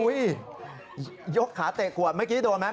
หุ้ยยกขาเตะขวดเมื่อกี้ไม่โดนไหม